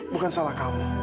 bukan salah kamu